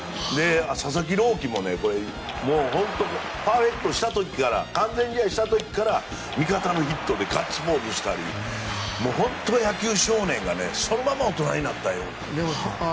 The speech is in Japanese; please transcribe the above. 佐々木朗希もパーフェクトした時から完全試合した時から味方のヒットでガッツポーズしたり本当に野球少年がそのまま大人になったような。